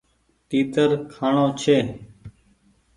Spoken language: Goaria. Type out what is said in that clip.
تيتر کآڻو ڇي ۔